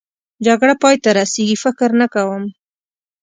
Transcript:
جګړه پای ته رسېږي؟ فکر نه کوم.